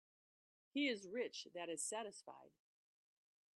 He is rich that is satisfied.